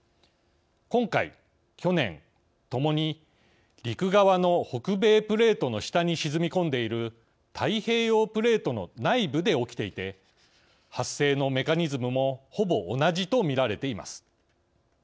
今回、去年ともに陸側の北米プレートの下に沈み込んでいる太平洋プレートの内部で起きていて発生のメカニズムもほぼ同じとみられています。